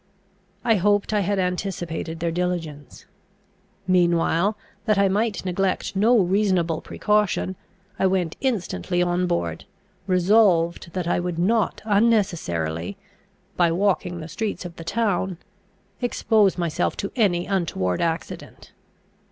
I hoped I had anticipated their diligence. Meanwhile, that I might neglect no reasonable precaution, I went instantly on board, resolved that I would not unnecessarily, by walking the streets of the town, expose myself to any untoward accident.